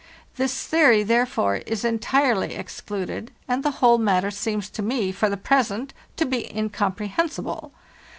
This theory, therefore, is entirely excluded, and the whole matter seems to me, for the present, to be incomprehensible.